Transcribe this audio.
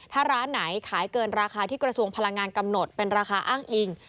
ถ้าร้านไหนขายเกินราคาที่กระทรวงพลังงานกำหนดเป็นราคาอ้างอิง